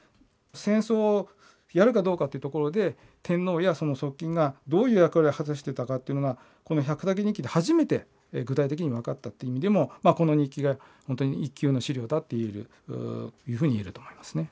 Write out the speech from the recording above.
戦争をやるかどうかというところで天皇やその側近がどういう役割を果たしていたかというのがこの「百武日記」で初めて具体的に分かったっていう意味でもこの日記が本当に一級の資料だって言えるっていうふうに言えると思いますね。